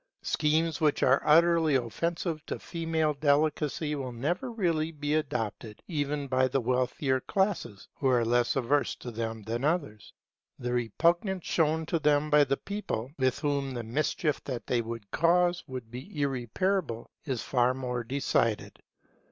Schemes which are utterly offensive to female delicacy will never really be adopted, even by the wealthier classes, who are less averse to them than others. The repugnance shown to them by the people, with whom the mischief that they would cause would be irreparable, is far more decided.